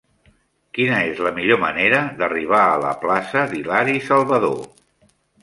Quina és la millor manera d'arribar a la plaça d'Hilari Salvadó?